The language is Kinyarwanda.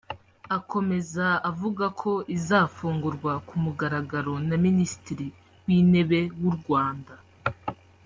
Akomeza avuga ko izafungurwa ku mugaragaro na Minisitiri w’Intebe w’u Rwanda